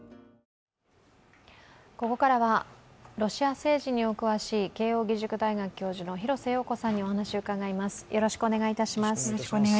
ここからはロシア政治にお詳しい慶応義塾大学教授の廣瀬陽子さんにお話を伺います。